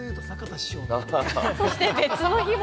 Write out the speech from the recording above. そして別の日も。